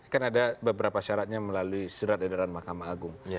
kan ada beberapa syaratnya melalui surat edaran mahkamah agung